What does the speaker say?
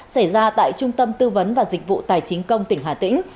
xảy ra tại trung tâm tư vấn và dịch vụ tài chính công tỉnh hà tĩnh